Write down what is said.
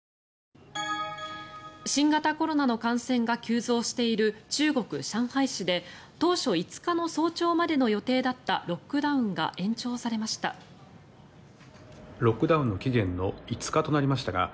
新型コロナの感染が急増している中国・上海市で当初５日の早朝までの予定だったロックダウンが延長されました。